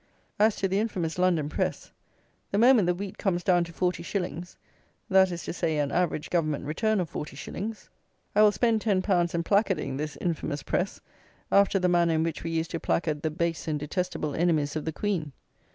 As to the infamous London press, the moment the wheat comes down to forty shillings; that is to say, an average Government return of forty shillings, I will spend ten pounds in placarding this infamous press, after the manner in which we used to placard the base and detestable enemies of the QUEEN.